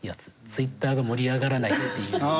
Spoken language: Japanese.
ツイッターが盛り上がらないっていうのを。